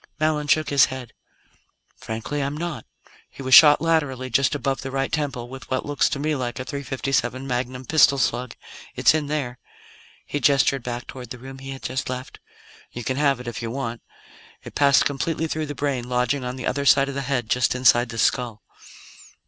Mallon shook his head. "Frankly, I'm not. He was shot laterally, just above the right temple, with what looks to me like a .357 magnum pistol slug. It's in there " He gestured back toward the room he had just left. " you can have it, if you want. It passed completely through the brain, lodging on the other side of the head, just inside the skull.